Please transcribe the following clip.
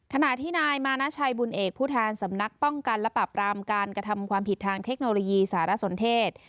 ขณะที่นายมานาชัยบุญเอกผู้แทนสำนักป้องกันและปรับรามการกระทำความผิดทางเทคโนโลยีสารสนเทศ